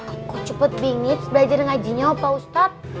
aku cepet bingung belajar ngajinya pak ustadz